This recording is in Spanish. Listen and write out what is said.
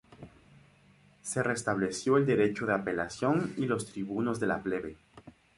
Se restableció el derecho de apelación y los tribunos de la plebe.